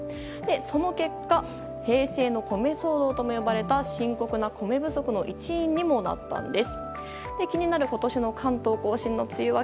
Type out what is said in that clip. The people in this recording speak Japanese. その結果平成の米騒動とも呼ばれた深刻な米不足の一因にもなったんです。